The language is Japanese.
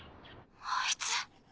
あいつ？